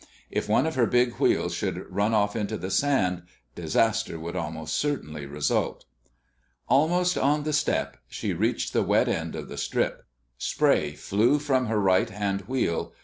If one of her big wheels should run off into the sand, disaster would almost certainly result. Almost on the "step" she reached the wet end of the strip. Spray flew from her right hand wheel.